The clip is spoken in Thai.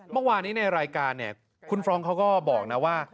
เมื่อวานนี้ในรายการเนี่ยคุณฟรองก์เขาก็บอกนะว่า